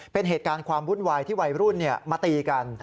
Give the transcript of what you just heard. เป็นเหตุการณ์ความวุ่นวายที่วัยรุ่นมาตีกัน